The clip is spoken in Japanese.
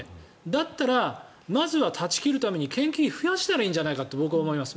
だったら、まずは断ち切るために研究費を増やしたらいいんじゃないかと僕は思います。